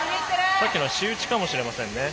さっきの試打ちかもしれませんね。